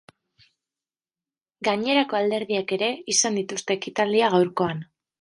Gainerako alderdiek ere izan dituzte ekitaldiak gaurkoan.